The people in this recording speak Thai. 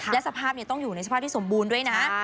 และสภาพต้องอยู่ในสภาพที่สมบูรณ์ด้วยนะ